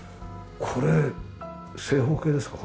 これ正方形ですか？